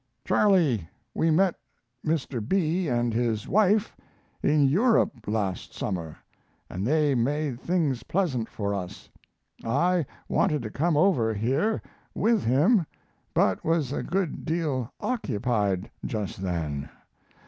Charlie, we met Mr. B and his wife in Europe last summer and they made things pleasant for us. I wanted to come over here with him, but was a good deal occupied just then.